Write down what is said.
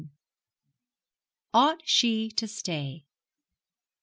OUGHT SHE TO STAY?